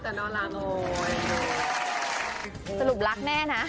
สรุปรักแน่นะ